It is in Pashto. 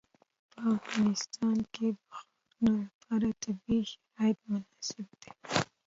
په افغانستان کې د ښارونه لپاره طبیعي شرایط مناسب دي.